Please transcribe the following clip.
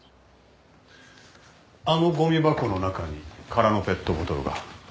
あのごみ箱の中に空のペットボトルが？